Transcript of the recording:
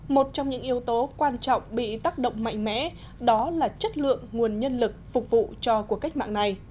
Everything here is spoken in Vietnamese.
một trong những yếu tố quan trọng bị tác động mạnh mẽ đó là chất lượng nguồn nhân lực phục vụ cho cuộc cách mạng này